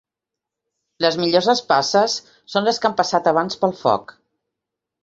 Les millors espasses són les que han passat abans pel foc.